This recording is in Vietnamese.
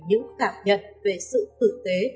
những cảm nhận về sự tử tế